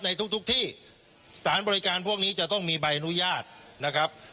ในทุกที่สถานบริการพวกนี้จะต้องมีใบอนุญาตนะครับ